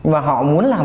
và họ muốn làm